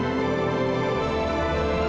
macam mana kalian berdualak